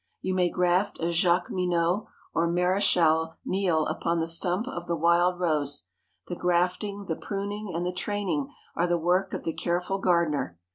You may graft a Jacqueminot or Maréchal Neil upon the stump of the wild rose. The grafting, the pruning, and the training are the work of the careful gardener.